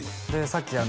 さっき